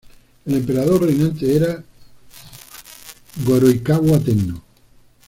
El emperador reinante era Go-Horikawa-"tennō".